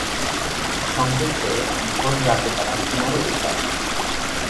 সংকেত পেয়ে ভোর রাতে তারা কিনারে উঠে আসেন।